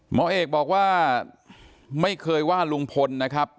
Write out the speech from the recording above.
หมอเอกบอกว่าไม่เคยว่าลุงพลนะครับ